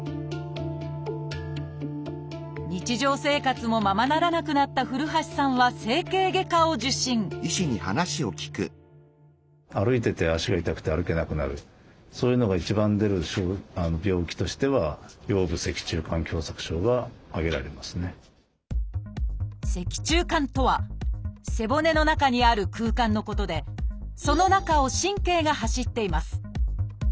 日常生活もままならなくなった古橋さんは整形外科を受診「脊柱管」とは背骨の中にある空間のことでその中を「神経」が走っています。